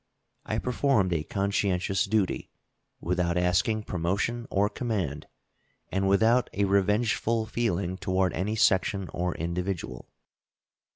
I performed a conscientious duty, without asking promotion or command, and without a revengeful feeling toward any section or individual.